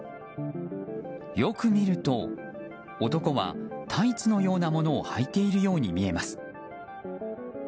よく見ると、男はタイツのようなものをはいているように見えます。